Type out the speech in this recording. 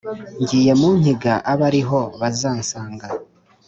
“ngiye mu nkiga abe ari ho bazansanga,